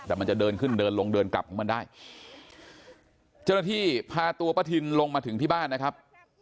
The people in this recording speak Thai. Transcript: แต่มันจะเดินขึ้นเดินลงเดินกลับของมันได้เจ้าหน้าที่พาตัวป้าทินลงมาถึงที่บ้านนะครับ